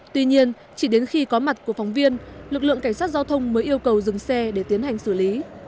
tuy nhiên chỉ đến khi có mặt của phóng viên lực lượng cảnh sát giao thông mới yêu cầu dừng xe để tiến hành xử lý